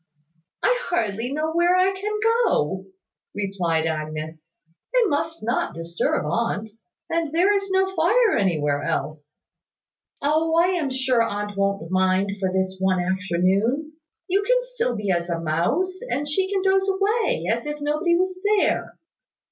"I hardly know where I can go," replied Agnes. "I must not disturb aunt; and there is no fire anywhere else." "O, I am sure aunt won't mind, for this one afternoon. You can be still as a mouse; and she can doze away, as if nobody was there."